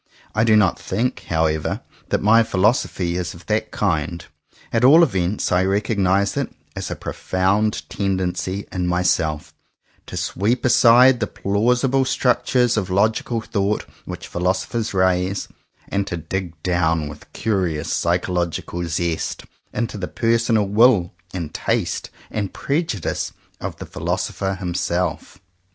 I do not think, how ever, that my philosophy is of that kind. At all events I recognize it as a profound tendency in myself, to sweep aside the plausible structures of logical thought which philosophers raise, and to dig down with curious psychological zest into the personal will and taste and prejudice of the philo sopher himself.